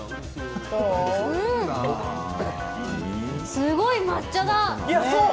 すごい抹茶だ！